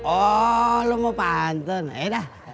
oh lo mau pantun ayo dah